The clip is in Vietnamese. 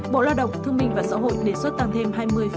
bộ lao động thương minh và xã hội đề xuất tăng thêm hai mươi